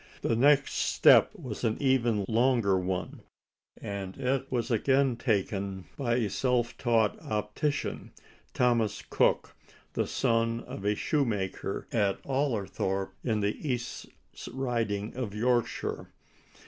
The next step was an even longer one, and it was again taken by a self taught optician, Thomas Cooke, the son of a shoemaker at Allerthorpe, in the East Riding of Yorkshire.